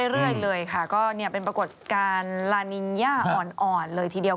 เรื่อยเลยค่ะก็เป็นปรากฏการณ์ลานินย่าอ่อนเลยทีเดียว